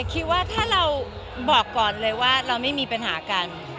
คิดว่าถ้าเราบอกก่อนเลยว่าเราไม่มีปัญหากัน